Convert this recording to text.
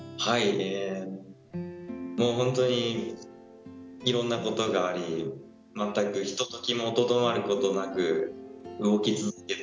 えもうほんとにいろんなことがあり全くひとときもとどまることなく動き続けた１年間でした。